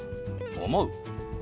「思う」。